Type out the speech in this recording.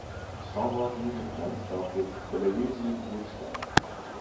Some rock music fans dubbed it Belarusian Woodstock.